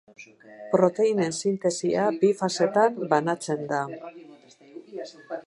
Proteinen sintesia bi fasetan banatzen da.